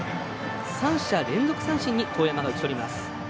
３者連続三振に當山が打ち取ります。